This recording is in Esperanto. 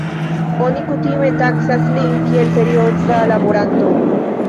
Oni kutime taksas lin kiel serioza laboranto.